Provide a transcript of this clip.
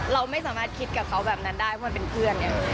เราไม่สามารถคิดกับเขาแบบนั้นได้เพราะมันเป็นเพื่อนไง